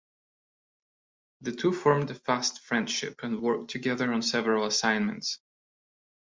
The two formed a fast friendship and worked together on several assignments.